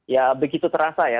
ya begitu terasa ya